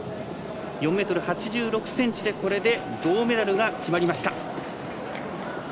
４ｍ８６ｃｍで銅メダルが決まりました。